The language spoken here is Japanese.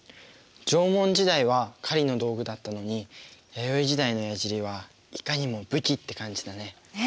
縄文時代は狩りの道具だったのに弥生時代のやじりはいかにも武器って感じだね。ね？